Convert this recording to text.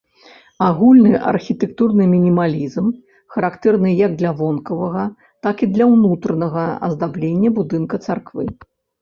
Агульны архітэктурны мінімалізм характэрны як для вонкавага, так і для ўнутранага аздаблення будынка царквы.